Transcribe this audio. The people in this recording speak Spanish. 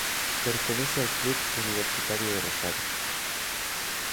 Pertenece al Club Universitario de Rosario.